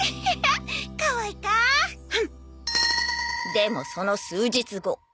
でもその数日後。